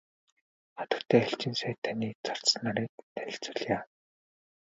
Хатагтай элчин сайд таны зарц нарыг танилцуулъя.